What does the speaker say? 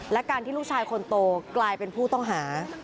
และการที่ลูกชายคนโตกลายเป็นผู้ต้องหา